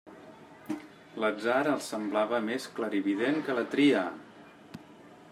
L'atzar els semblava més clarivident que la tria.